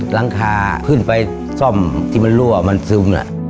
หลังคาขึ้นไปซ่อมที่มันรั่วมันซึม